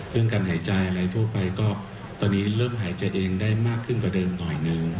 การหายใจอะไรทั่วไปก็ตอนนี้เริ่มหายใจเองได้มากขึ้นกว่าเดิมหน่อยหนึ่ง